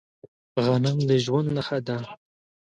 غنم د ژوند نښه ده.